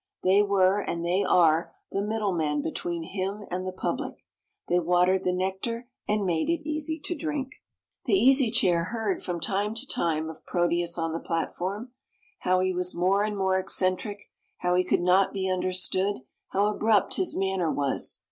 They were, and they are, the middle men between him and the public. They watered the nectar, and made it easy to drink. The Easy Chair heard from time to time of Proteus on the platform how he was more and more eccentric how he could not be understood how abrupt his manner was.